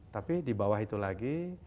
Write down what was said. tapi di bawah itu lagi